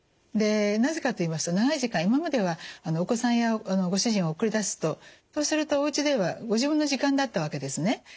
でなぜかといいますと長い時間今まではお子さんやご主人を送り出すとそうするとおうちではご自分の時間だったわけですね。